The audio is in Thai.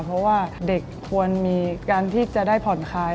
เพราะว่าเด็กควรมีการที่จะได้ผ่อนคลาย